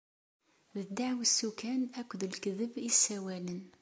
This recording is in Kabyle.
D deɛwessu kan akked lekdeb i ssawalen.